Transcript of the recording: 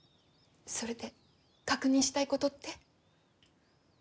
それで確認したい事って？